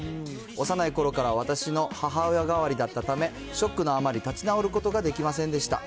幼いころから私の母親代わりだったため、ショックのあまり立ち直ることができませんでした。